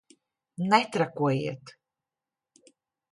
Netrakojiet!